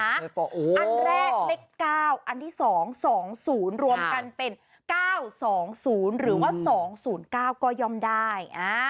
อันแรกเลข๙อันที่๒๒๐รวมกันเป็น๙๒๐หรือว่า๒๐๙ก็ย่อมได้